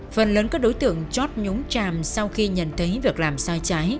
phần lớn các đối tượng chót nhúng tràm sau khi nhận thấy việc làm sai trái